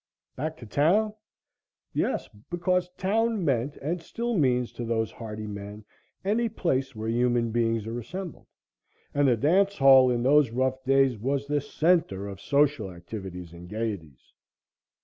Back to town? Yes, because "town" meant and still means to those hardy men any place where human beings are assembled, and the dance hall, in those rough days, was the center of social activities and gaieties.